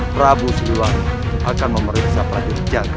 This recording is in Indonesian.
prabu suliwar akan memeriksa prajurit tiaga